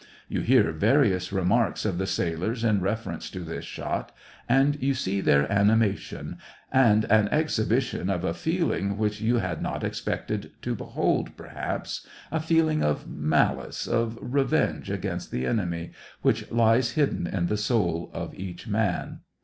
You hear various remarks of the sailors in reference to this shot, and you see their animation, and an exhibition of a feeling which you had not expected to behold perhaps — a feeling of malice, of revenge against the enemy, which lies hidden in the soul of each man.